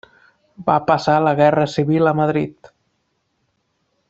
Va passar la Guerra Civil a Madrid.